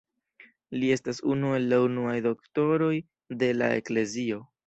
Li estas unu el la unuaj Doktoroj de la Eklezio.